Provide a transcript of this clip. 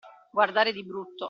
Guardare di brutto.